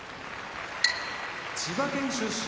千葉県出身